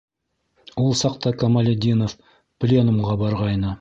Ул саҡта Камалетдинов пленумға барғайны.